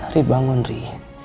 ri bangun ri